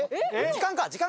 時間か？